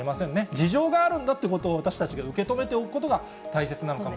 事情があるんだということを私たちが受け止めておくことが大切な